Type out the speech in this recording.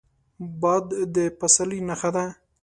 باد د پسرلي نښه وي